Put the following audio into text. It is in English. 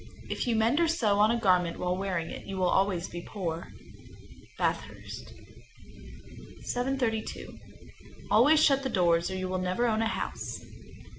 If you mend or sew on a garment while wearing it, you will always be poor. Bathurst, N.B. 732. Always shut the doors, or you will never own a house.